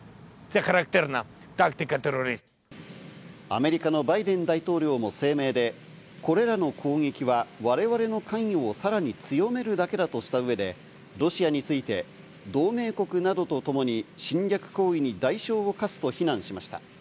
アメリカのバイデン大統領も声明で、これらの攻撃は我々の関与をさらに強めるだけだとした上で、ロシアについて同盟国などとともに侵略行為に代償を科すと非難しました。